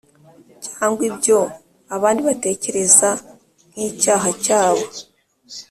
cyangwa ibyo abandi batekereza nkicyaha cyabo